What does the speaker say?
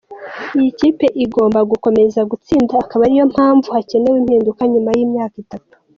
Iyi kipe igomba gukomeza gutsinda akaba ariyo mpamvu hakenewe impinduka nyuma y’imyaka itatu.